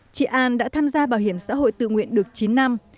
chị an đã tham gia bảo hiểm xã hội tự nguyện được chín năm